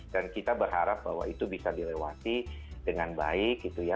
dan kita berharap bahwa itu bisa dilewati dengan baik gitu ya